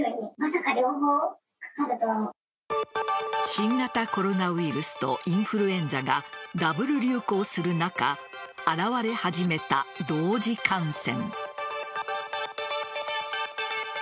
新型コロナウイルスとインフルエンザがダブル流行する中現れ始めた同時感染。